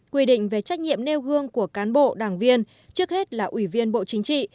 quy định về trách nhiệm nêu gương của cán bộ đảng viên trước hết là ủy viên bộ chính trị